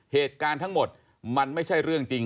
เหตุการณ์ทั้งหมดมันไม่ใช่เรื่องจริง